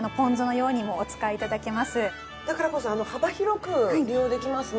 だからこそ幅広く利用できますね。